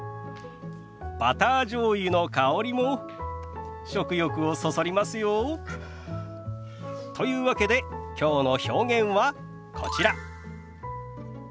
バターじょうゆの香りも食欲をそそりますよ。というわけできょうの表現はこちら。